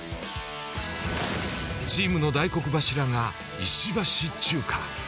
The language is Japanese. チームの大黒柱が石橋チューカ。